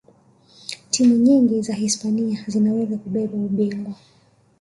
timu nyingi za hispania zinaweza kubeba ubingwa